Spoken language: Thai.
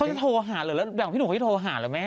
เขาจะโทรหาหรือแหละอยากขอให้พี่หนุ่มเขาจะโทรหาหรือไหม